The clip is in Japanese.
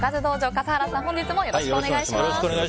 笠原さん、本日もよろしくお願いします。